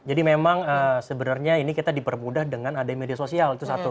jadi memang sebenarnya ini kita dipermudah dengan ada media sosial itu satu